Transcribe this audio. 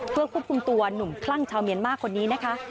เพื่อควบคุมตัวหนุ่มคลั่งชาวเมียนมาร์คนนี้นะคะ